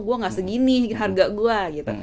gue gak segini harga gue gitu